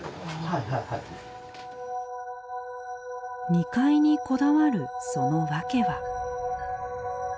２階にこだわるその訳は。